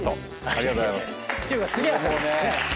ありがとうございます。